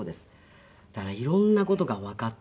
だから色んな事がわかって。